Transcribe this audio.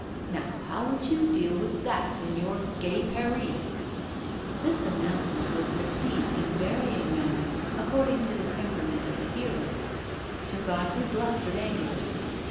Now, how would you deal with that in your gay Paris?'* This announcement was received in varying manner, according to the temperament of the hearer. Sir God frey blustered angrily.